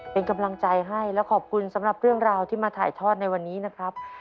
เป็นกำลังใจให้และขอบคุณสำหรับเรื่องราวที่มาถ่ายทอดในวันนี้นะครับ